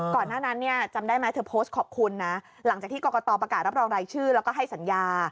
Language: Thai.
หน้านั้นเนี่ยจำได้ไหมเธอโพสต์ขอบคุณนะหลังจากที่กรกตประกาศรับรองรายชื่อแล้วก็ให้สัญญา